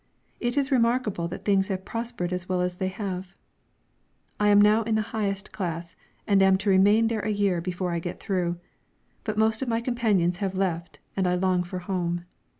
It is remarkable that things have prospered as well as they have. I am now in the highest class, and am to remain there a year before I get through. But most of my companions have left and I long for home.